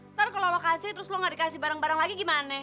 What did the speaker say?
ntar kalau lokasi terus lo gak dikasih barang barang lagi gimana